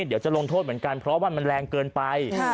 เดี๋ยวจะลงโทษเหมือนกันเพราะว่ามันแรงเกินไป